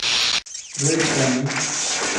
Rê bide min.